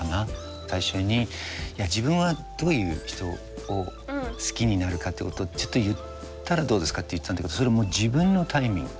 最初にいや自分はどういう人を好きになるかっていうことをちょっと言ったらどうですかって言ったんだけどそれも自分のタイミング。